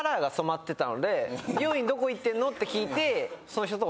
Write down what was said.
美容院どこ行ってんのって聞いてその人と。